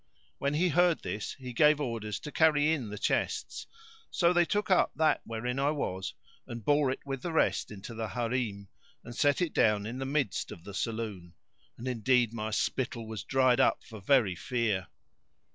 When he heard this he gave orders to carry in the chests; so they took up that wherein I was and bore it with the rest into the Harim and set it down in the midst of the saloon; and indeed my spittle was dried up for very fear.